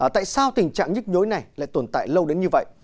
tại sao tình trạng nhức nhối này lại tồn tại lâu đến như vậy